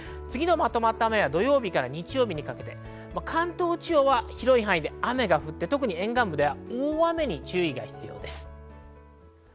次のまとまった雨は土曜日から日曜日にかけて関東地方は広い範囲で雨が降って、特に沿岸部では大雨に注意が必要です。